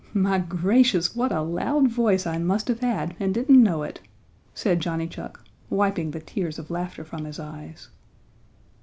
My gracious, what a loud voice I must have had and didn't know it!" said Johnny Chuck, wiping the tears of laughter from his eyes.